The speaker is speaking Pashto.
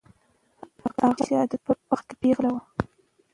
هغه د شهادت په وخت پېغله وه.